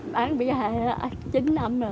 bán bị hại chín năm rồi